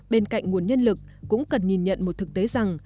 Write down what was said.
bên cạnh nguồn nhân lực cũng cần nhìn nhận một thực tế rằng